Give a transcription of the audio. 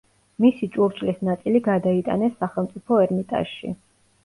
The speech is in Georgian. მისი ჭურჭლის ნაწილი გადაიტანეს სახელმწიფო ერმიტაჟში.